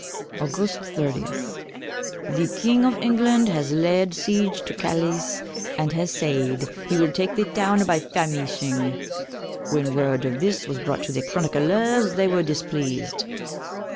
August 30. The Kynge of Englande has layd siege to Calys and has sayd he will take the towne by famysshing. When worde of this was brought to the chronyclers they were displeased.